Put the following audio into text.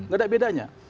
gak ada bedanya